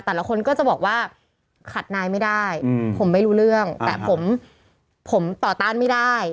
แต่ละคนก็จะบอกว่าขัดนายไม่ได้ผมไม่รู้เรื่องแต่ผมผมต่อต้านไม่ได้